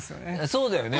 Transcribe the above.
そうだよね。